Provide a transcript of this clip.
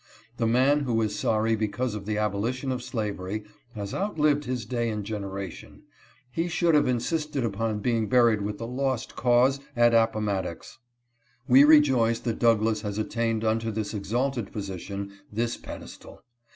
The man who is sorry because of the abolition of slavery, has outlived his day and generation ; he should have insisted upon being buried with the '' lost cause " at Appo matox. We rejoice that Douglass has attained unto this exalted position — this pedestal.